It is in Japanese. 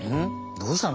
どうしたの？